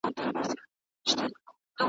د پاولیو د پایلو شرنګ به نه وي .